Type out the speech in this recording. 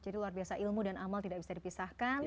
luar biasa ilmu dan amal tidak bisa dipisahkan